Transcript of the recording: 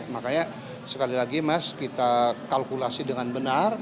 makanya sekali lagi mas kita kalkulasi dengan benar